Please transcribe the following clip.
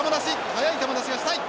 早い球出しがしたい！